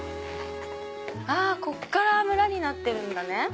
あっここから村になってるんだね。